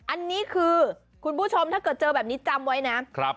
อันนี้คือคุณผู้ชมถ้าเกิดเจอแบบนี้จำไว้นะ